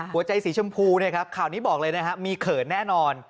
หัวใจสีชมพูนะครับข่าวนี้บอกเลยนะฮะมีเขินแน่นอน